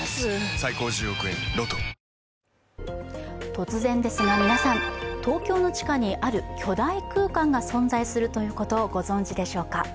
突然ですが、皆さん、東京の地下にある巨大空間が存在するということをご存じでしょうか。